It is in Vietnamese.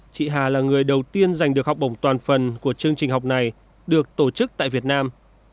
chị hà là người đầu tiên giành được học bổng toàn phần của chương trình học này được tổ chức tại việt nam